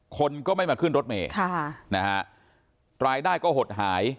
คนก็ไม่มาขึ้นรถเมษรายได้ก็หดหาย